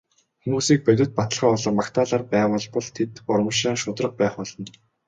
Хүмүүсийг бодит баталгаа болон магтаалаар байгуулбал тэд урамшин шударга байх болно.